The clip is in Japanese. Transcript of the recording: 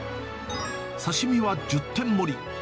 刺身は１０点盛り。